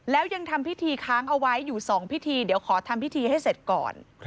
แล้วยังทำพิธีค้างเอาไว้อยู่๒พิธีเดี๋ยวขอทำพิธีให้เสร็จก่อน